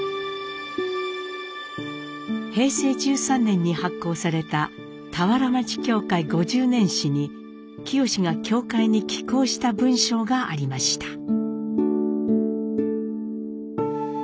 平成１３年に発行された俵町教会５０年史に清が教会に寄稿した文章がありました。